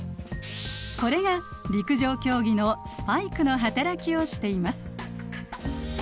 これが陸上競技のスパイクの働きをしています。